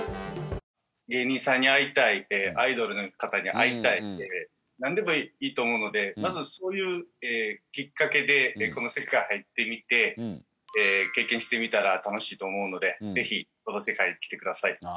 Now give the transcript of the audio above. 芸人さんに会いたいアイドルの方に会いたいってなんでもいいと思うのでまずそういうきっかけでこの世界入ってみて経験してみたら楽しいと思うのでぜひこの世界に来てください。